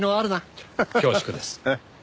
恐縮です。